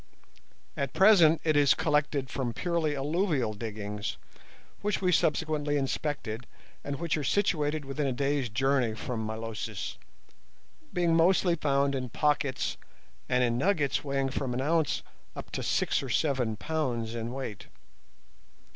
At present it is collected from purely alluvial diggings, which we subsequently inspected, and which are situated within a day's journey from Milosis, being mostly found in pockets and in nuggets weighing from an ounce up to six or seven pounds in weight.